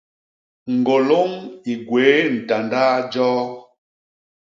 Ñgôlôñ i gwéé ntandaa joo.